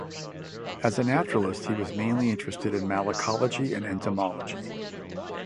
As a naturalist he was mainly interested in malacology and entomology.